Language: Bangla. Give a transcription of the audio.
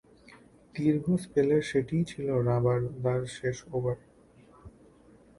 দীর্ঘ স্পেলের সেটিই ছিল রাবাদার শেষ ওভার।